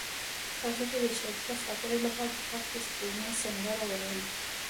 هغې د ښایسته خاطرو لپاره د پاک سپوږمۍ سندره ویله.